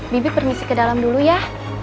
bibi permisi ke dalam dulu ya